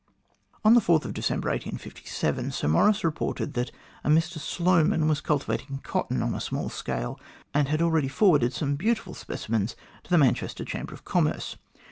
On December 4, 1857, Sir Maurice reported that a Mr Sloman was cultivating cotton on a small scale, and had already forwarded some beautiful specimens to the Manchester Chamber of Commerce.